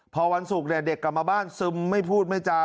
พอวันศุกร์เด็กกลับมาบ้านซึมไม่พูดไม่จา